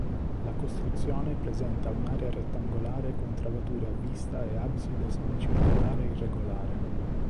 La costruzione presenta un'area rettangolare con travature a vista e abside semicircolare irregolare.